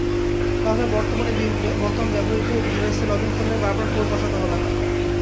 তাহলে বর্তমানে ব্যবহূত ডিভাইসে লগইন করলে বারবার কোড বসাতে হবে না।